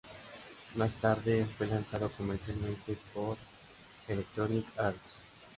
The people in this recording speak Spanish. Más tarde fue lanzado comercialmente por Electronic Arts.